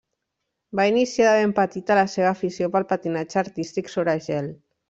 Va iniciar de ben petita la seva afició pel patinatge artístic sobre gel.